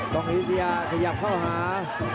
บองอีเซียขยับเข้าหา